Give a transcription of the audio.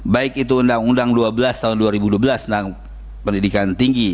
baik itu undang undang dua belas tahun dua ribu dua belas tentang pendidikan tinggi